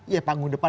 ya panggung depan